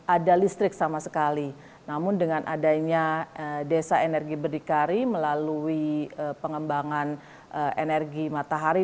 ada listrik sama sekali namun dengan adanya desa energi berdikari melalui pengembangan energi matahari